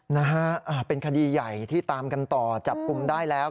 นะฮะเป็นคดีใหญ่ที่ตามกันต่อจับกลุ่มได้แล้ว